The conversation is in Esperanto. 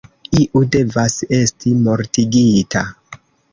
Iu devas esti mortigita.